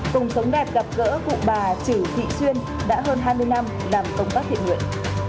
cùng sống đẹp gặp gỡ cụ bà chử thị xuyên đã hơn hai mươi năm làm công tác thiện nguyện